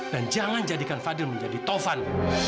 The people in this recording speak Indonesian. dan jangan jadikan fadil menjadi tofan